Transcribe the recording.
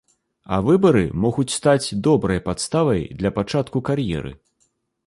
А выбары могуць стаць добрай падставай для пачатку кар'еры.